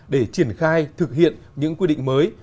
để triển khai thực hiện những quy định mới